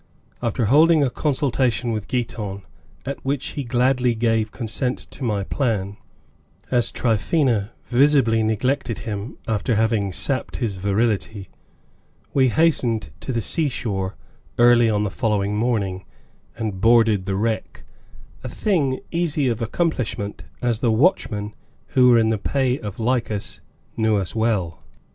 After holding a consultation with Giton, at which he gladly gave consent to my plan, as Tryphaena visibly neglected him after having sapped his virility, we hastened to the sea shore early on the following morning, and boarded the wreck, a thing easy of accomplishment as the watchmen, who were in the pay of Lycas, knew us well.